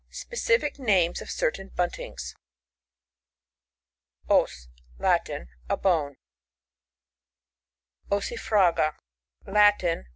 Specific names of certain Buntings. Os. — Latin. A bone. Ossifraga. — Latin.